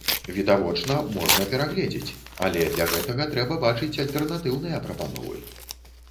Відавочна, можна перагледзець, але для гэтага трэба бачыць альтэрнатыўныя прапановы.